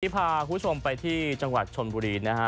พาคุณผู้ชมไปที่จังหวัดชนบุรีนะฮะ